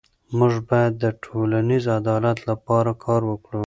موږ باید د ټولنیز عدالت لپاره کار وکړو.